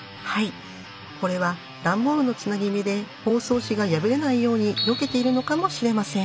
これは段ボールのつなぎ目で包装紙が破れないようによけているのかもしれません。